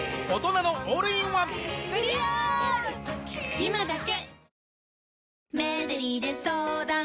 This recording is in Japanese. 今だけ！